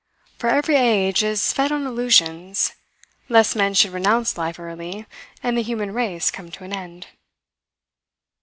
For every age is fed on illusions, lest men should renounce life early and the human race come to an end.